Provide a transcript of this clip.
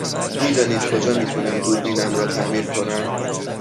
می دانید کجا می تونم دوربینم را تعمیر کنم؟